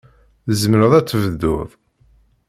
Tzemreḍ ad tebduḍ.